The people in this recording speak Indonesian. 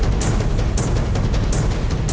sekarang tinggal nunggu hasilnya aja